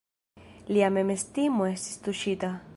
Lia memestimo estis tuŝita.